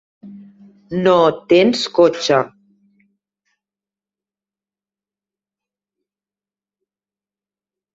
No tens cotxe.